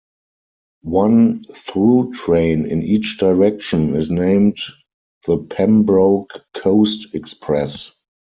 One through train in each direction is named The Pembroke Coast Express.